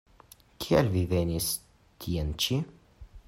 Kiel vi venis tien-ĉi?